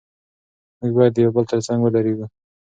موږ باید د یو بل تر څنګ ودرېږو.